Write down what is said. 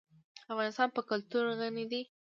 افغانستان په کلتور غني دی.